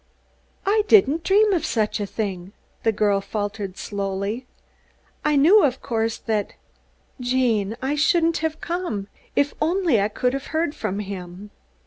"I didn't dream of such a thing," the girl faltered slowly. "I knew, of course, that Gene, I shouldn't have come if if only I could have heard from him."